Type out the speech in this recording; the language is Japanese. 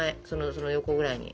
その横ぐらいに。